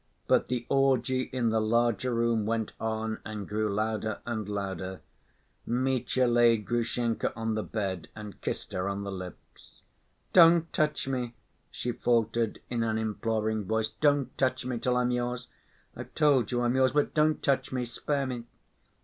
But the orgy in the larger room went on and grew louder and louder. Mitya laid Grushenka on the bed and kissed her on the lips. "Don't touch me...." she faltered, in an imploring voice. "Don't touch me, till I'm yours.... I've told you I'm yours, but don't touch me ... spare me....